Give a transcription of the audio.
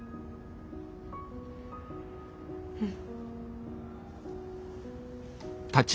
うん。